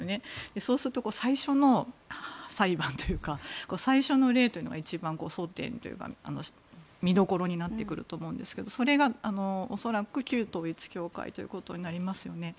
そうすると、最初の裁判というか最初の例が一番、争点というか見どころになってくると思うんですけどそれが恐らく、旧統一教会ということになりますよね。